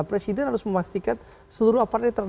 presiden harus memastikan seluruh aparat netral